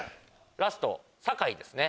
ラスト酒井ですね